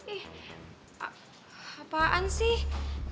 ih apaan sih